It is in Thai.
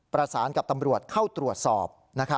ประสานกับตำรวจเข้าตรวจสอบ